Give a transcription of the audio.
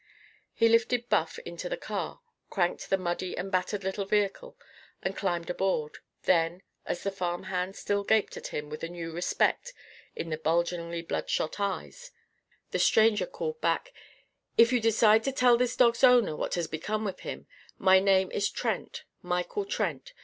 He lifted Buff into the car, cranked the muddy and battered little vehicle, and climbed aboard. Then, as the farm hand still gaped at him with a new respect in the bulgingly bloodshot eyes, the stranger called back: "If you decide to tell this dog's owner what has become of him, my name is Trent Michael Trent.